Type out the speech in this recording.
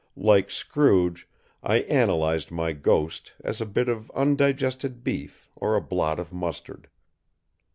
Like Scrooge, I analyzed my ghost as a bit of undigested beef or a blot of mustard.